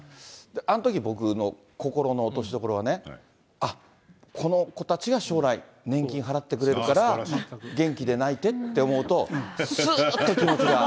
あのとき、僕の心の落としどころはね、あっ、この子たちが将来、年金払ってくれるから、元気で泣いてって思うと、すーっと気持ちが。